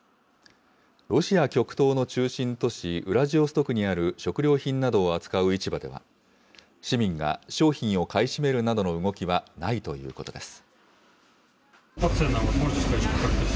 ロシア極東の中心都市ウラジオストクにある食料品などを扱う市場では、市民が商品を買い占めるなどの動きはないということです。